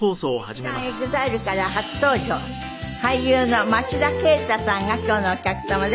劇団ＥＸＩＬＥから初登場俳優の町田啓太さんが今日のお客様です。